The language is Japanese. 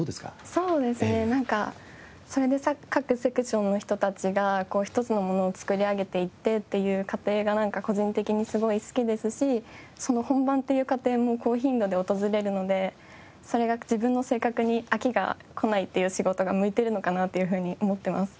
そうですねなんかそれで各セクションの人たちが一つのものを作り上げていってっていう過程がなんか個人的にすごい好きですし本番っていう過程も高頻度で訪れるのでそれが自分の性格に飽きがこないという仕事が向いてるのかなというふうに思っています。